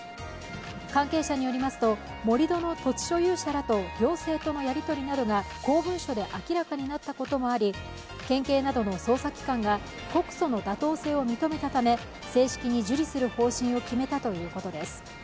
関係者によりますと盛り土の土地所有者らと行政とのやり取りなどが公文書で明らかになったこともあり、県警などの捜査機関が告訴の妥当性を認めたため正式に受理する方針を決めたということです。